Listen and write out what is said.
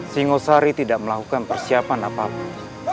singosari tidak melakukan persiapan apapun